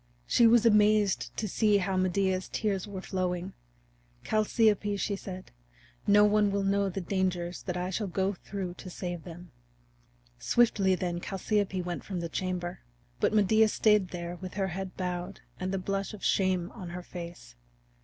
She was amazed to see how Medea's tears were flowing. "Chalciope," she said, "no one will know the dangers that I shall go through to save them." Swiftly then Chalciope went from the chamber. But Medea stayed there with her head bowed and the blush of shame on her face.